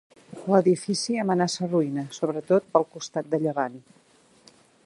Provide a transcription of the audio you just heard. L'edifici amenaça ruïna, sobretot pel costat de llevant.